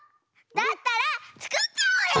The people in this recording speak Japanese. だったらつくっちゃおうよ！